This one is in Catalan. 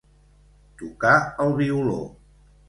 Tocar el violó.